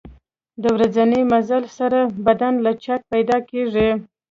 د ورځني مزل سره بدن لچک پیدا کېږي.